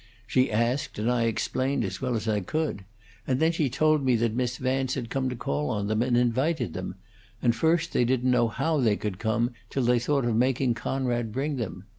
She asked, and I explained as well as I could; and then she told me that Miss Vance had come to call on them and invited them; and first they didn't know how they could come till they thought of making Conrad bring them.